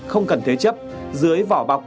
không cần thế chấp dưới vỏ bọc